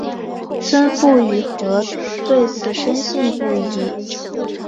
孙傅与何对此深信不疑。